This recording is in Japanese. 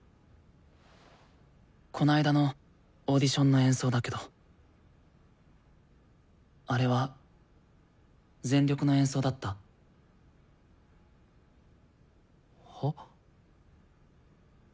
この間のオーディションの演奏だけどあれは全力の演奏だった？は？